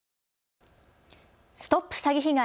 ＳＴＯＰ詐欺被害！